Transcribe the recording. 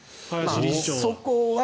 そこは。